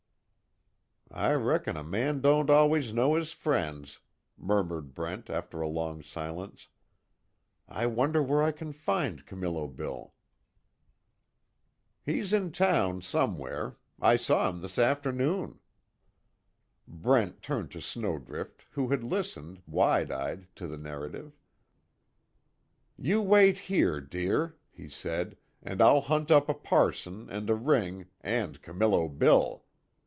"I reckon a man don't always know his friends," murmured Brent, after a long silence, "I wonder where I can find Camillo Bill?" "He's in town, somewhere. I saw him this afternoon." Brent turned to Snowdrift, who had listened, wide eyed to the narrative: "You wait here, dear," he said, "And I'll hunt up a parson, and a ring, and Camillo Bill.